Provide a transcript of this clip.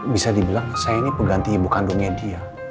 bisa dibilang saya ini peganti ibu kandungnya dia